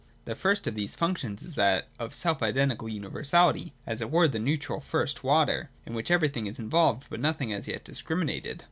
The first of these functions is that of self identical universality, as it were the neutral first water, in which everything is involved, but nothing as yet discriminated.